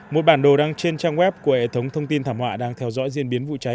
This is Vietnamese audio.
một bản đồ đăng trên trang web của hệ thống thông tin thảm họa đang theo dõi diễn biến vụ cháy